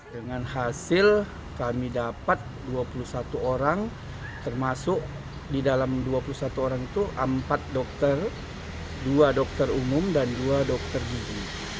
dengan hasil kami dapat dua puluh satu orang termasuk di dalam dua puluh satu orang itu empat dokter dua dokter umum dan dua dokter gigi